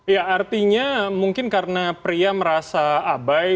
ya artinya mungkin karena pria merasa abai